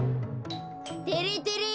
てれてれ！